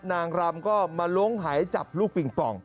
นางรำก็มาล้วงหายจับลูกปิงปอง